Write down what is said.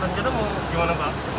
kan kita mau gimana pak